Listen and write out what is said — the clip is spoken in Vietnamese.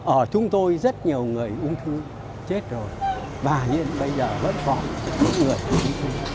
ở chúng tôi rất nhiều người ung thư chết rồi và hiện bây giờ vẫn có những người ung thư